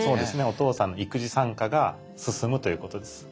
お父さんの育児参加が進むということです。